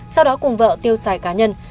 sau đó cùng vợ tiêu xài cá nhân